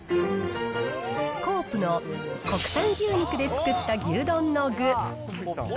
コープの国産牛肉でつくった牛丼の具。